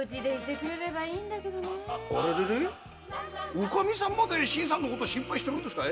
おカミさんも新さんのこと心配してるんですかい？